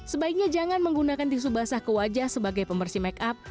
sebaiknya jangan menggunakan tisu basah ke wajah sebagai pembersih make up